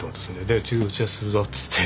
で「次打ち合わせするぞ」つって。